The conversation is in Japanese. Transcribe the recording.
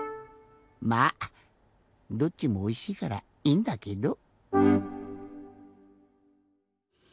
まあどっちもおいしいからいいんだけど。